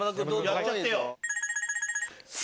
やっちゃってよ。